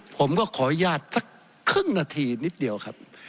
ผมก็ขออนุญาตสักครึ่งนาทีนิดเดียวครับ